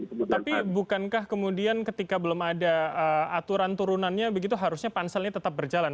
tapi bukankah kemudian ketika belum ada aturan turunannya begitu harusnya panselnya tetap berjalan